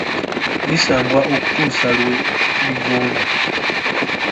Lisambwa okutuusa lwe ligonda.